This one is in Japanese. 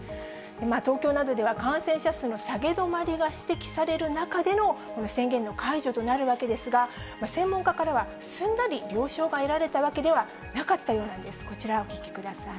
東京などでは感染者数の下げ止まりが指摘される中での、この宣言の解除となるわけですが、専門家からは、すんなり了承が得られたわけではなかったようなんです。